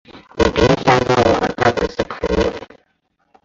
你别瞎说，我和他只是朋友